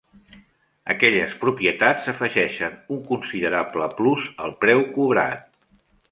Aquelles propietats afegeixen un considerable plus al preu cobrat.